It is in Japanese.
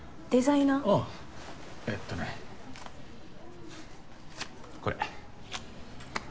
うんえっとねこれ。